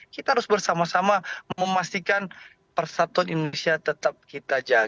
kita harus bersama sama memastikan persatuan indonesia tetap kita jaga